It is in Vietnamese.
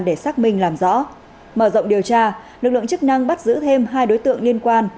để xác minh làm rõ mở rộng điều tra lực lượng chức năng bắt giữ thêm hai đối tượng liên quan